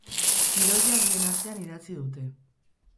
Gidoia bien artean idatzi dute.